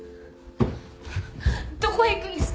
どこへ行くんですか？